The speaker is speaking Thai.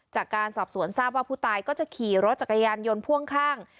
จากการสอบสวนทราบว่าผู้ตายก็จะขี่รถจักรยานยนต์พ่วงข้าง